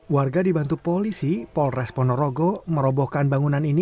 warga dibantu polisi polres ponorogo merobohkan bangunan ini